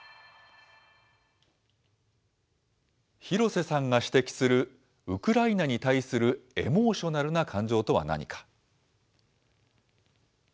廣瀬さんが指摘する、ウクライナに対するエモーショナルな感情とは何か。